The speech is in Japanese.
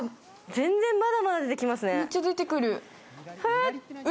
全然まだまだ出てきますね。